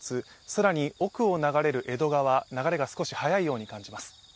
更に奥を流れる江戸川、流れが少し速いように感じます。